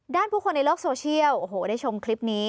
ผู้คนในโลกโซเชียลโอ้โหได้ชมคลิปนี้